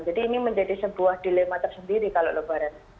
jadi ini menjadi sebuah dilema tersendiri kalau lebaran